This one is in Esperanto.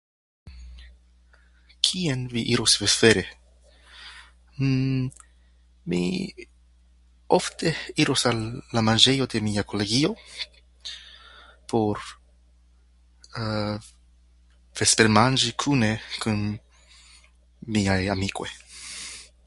Kien vi iros vespere? Mmm... Mi ofte iros al la manĝejo de mia kolegio por vespermanĝi kune kun miaj amikoj.